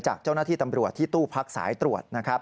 จากเจ้าหน้าที่ตำรวจที่ตู้พักสายตรวจนะครับ